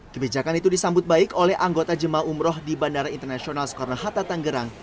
kebijakan itu disambut baik oleh anggota jemaah umroh di bandara internasional soekarno hatta tanggerang